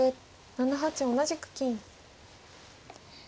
７八同じく金。